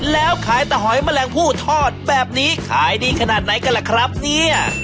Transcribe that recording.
แล้วขายตะหอยแมลงผู้ทอดแบบนี้ขายดีขนาดไหนกันล่ะครับเนี่ย